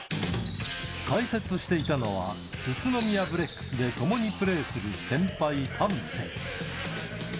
解説していたのは、宇都宮ブレックスで共にプレーする先輩、田臥。